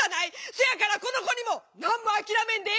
せやからこの子にも何も諦めんでえ